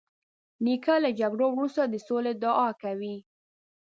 نیکه له جګړو وروسته د سولې دعا کوي.